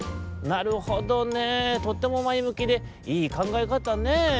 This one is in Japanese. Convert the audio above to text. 「なるほどねとってもまえむきでいいかんがえかたねぇ。